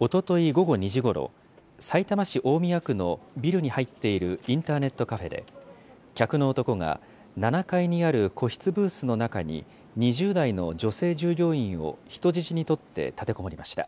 おととい午後２時ごろ、さいたま市大宮区のビルに入っているインターネットカフェで、客の男が、７階にある個室ブースの中に、２０代の女性従業員を人質に取って立てこもりました。